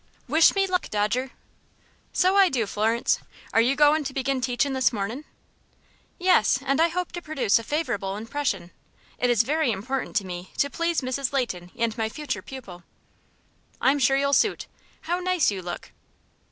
"Wish me luck, Dodger!" "So I do, Florence. Are you goin' to begin teachin' this mornin'?" "Yes; and I hope to produce a favorable impression. It is very important to me to please Mrs. Leighton and my future pupil." "I'm sure you'll suit. How nice you look!"